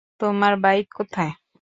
তোমার বাইক কোথায়?